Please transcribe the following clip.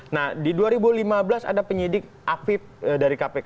nah di dua ribu lima belas ada penyidik afib dari kpk